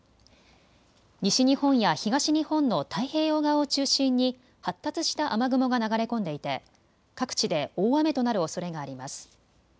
西日本や東日本の太平洋側を中心に発達した雨雲が流れ込んでいて各地で大雨となるおそれがあります。